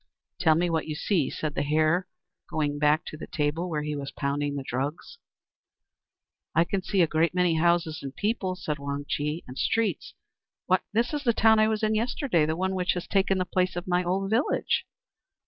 "Tell me what you see," said the Hare, going back to the table where he was pounding the drugs. "I can see a great many houses and people," said Wang Chih, "and streets why, this is the town I was in yesterday, the one which has taken the place of my old village."